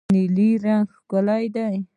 نیلی رنګ ښه دی.